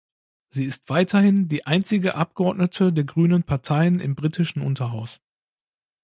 Sie ist weiterhin die einzige Abgeordnete der Grünen Parteien im britischen Unterhaus.